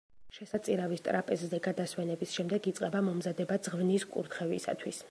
შესაწირავის ტრაპეზზე გადასვენების შემდეგ იწყება მომზადება ძღვნის კურთხევისათვის.